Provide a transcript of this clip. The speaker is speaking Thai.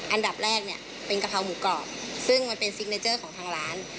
อันดับแรกเนี่ยเป็นกะเพราหมูกรอบซึ่งมันเป็นซิกเนเจอร์ของทางร้าน